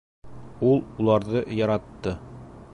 Ул уларҙы яратты.